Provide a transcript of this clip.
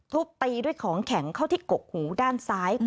ตีด้วยของแข็งเข้าที่กกหูด้านซ้าย